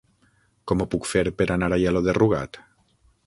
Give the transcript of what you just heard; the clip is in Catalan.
Com ho puc fer per anar a Aielo de Rugat?